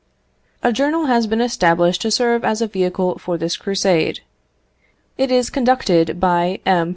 A journal has been established to serve as a vehicle for this crusade. It is conducted by M.